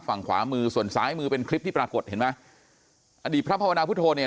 ฝั่งขวามือส่วนซ้ายมือเป็นคลิปที่ปรากฏเห็นไหมอดีตพระภาวนาพุทธโธเนี่ย